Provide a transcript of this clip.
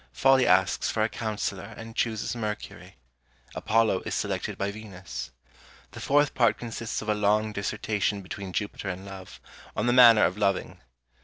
Folly asks for a counsellor, and chooses Mercury; Apollo is selected by Venus. The fourth part consists of a long dissertation between Jupiter and Love, on the manner of loving.